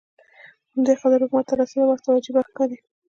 په همدې خاطر حکومت ته رسېدل ورته وجیبه ښکاري.